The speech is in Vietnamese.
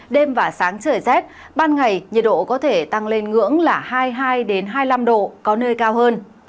đêm và sáng trời rét ban ngày nhiệt độ có thể tăng lên ngưỡng là hai mươi hai hai mươi năm độ có nơi cao hơn